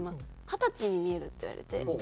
「二十歳に見える」って言われて。